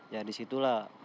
ya di situlah